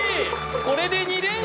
これで２連勝